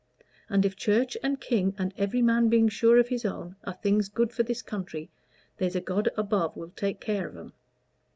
And if Church and King, and every man being sure of his own, are things good for this country, there's a God above will take care of 'em."